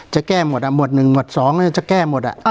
จะแก้หมดอ่ะหมดหนึ่งหมดสองจะแก้หมดอ่ะ